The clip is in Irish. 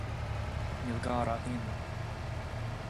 Níl gar dá shéanadh.